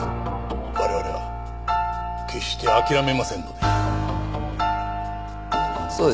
我々は決して諦めませんので。